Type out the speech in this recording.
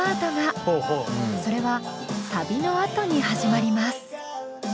それはサビのあとに始まります。